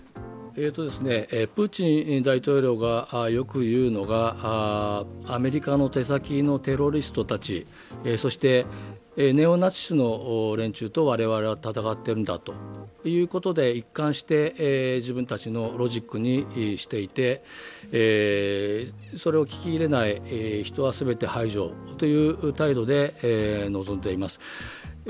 プーチン大統領がよく言うのはアメリカの手先のテロリストたち、そして、ネオナチスの連中と我々は戦ってるんだと一貫して自分たちのロジックにしていて、それを聞き入れない人は全て排除という態度で臨んでいます。